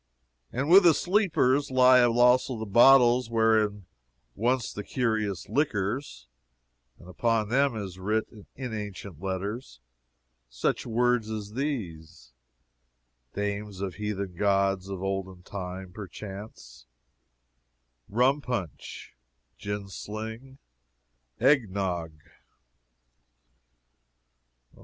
And with the sleepers lie also the bottles wherein were once the curious liquors: and upon them is writ, in ancient letters, such words as these Dames of heathen gods of olden time, perchance: Rumpunch, Jinsling, Egnog.